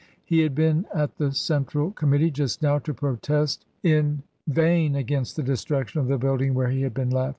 He had been r the Central Committee just now to protest in vi.' against the destruction of the building where had been left.